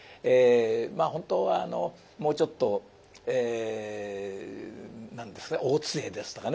まあ本当はもうちょっとえ何ですか「大津絵」ですとかね